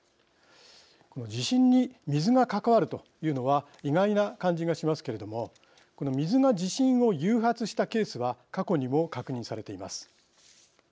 この地震に水が関わるというのは意外な感じがしますけれども水が地震を誘発したケースは過去にも確認されています。